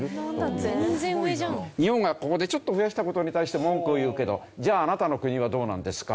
日本がここでちょっと増やした事に対して文句を言うけどじゃああなたの国はどうなんですか？